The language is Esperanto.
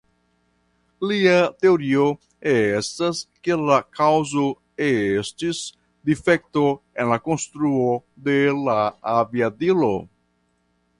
Lia teorio estas ke la kaŭzo estis difekto en la konstruo de la aviadilo.